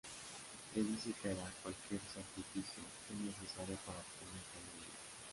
Se dice que hará cualquier sacrificio es necesario para obtener sabiduría.